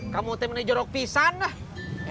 kamu jorok pisang